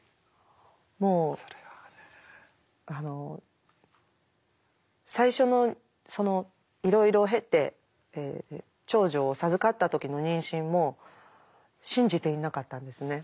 もうあの最初のそのいろいろ経て長女を授かった時の妊娠も信じていなかったんですね。